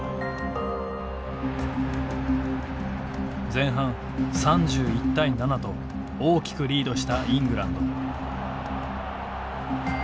前半３１対７と大きくリードしたイングランド。